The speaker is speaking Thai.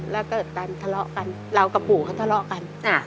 แล้วก็การทะเลาะกันเรากับปู่เขาทะเลาะกัน